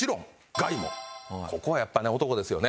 ここはやっぱね男ですよね。